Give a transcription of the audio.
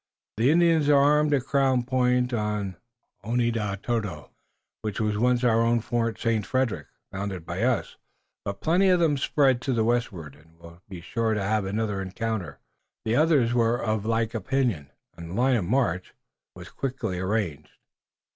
The Indians are armed at Crown Point on Oneadatote, which was once our own Fort Saint Frederick, founded by us, but plenty of them spread to the westward and we'll be sure to have an encounter." The others were of a like opinion, and the line of march was quickly arranged.